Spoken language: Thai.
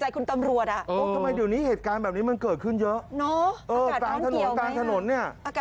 ขับรถเก่งค่ะ